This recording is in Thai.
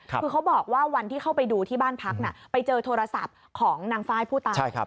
คือเขาบอกว่าวันที่เข้าไปดูที่บ้านพักไปเจอโทรศัพท์ของนางฟ้ายผู้ตาย